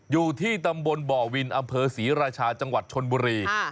อยู่ที่ตำบลบ่อวินอำเภอศรีราชาจังหวัดชนบุรี